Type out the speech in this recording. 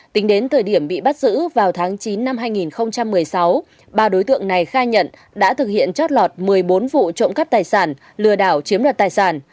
tính đến thời điểm bị bắt giữ vào tháng chín năm hai nghìn một mươi sáu ba đối tượng này khai nhận đã thực hiện chót lọt một mươi bốn vụ trộm cắp tài sản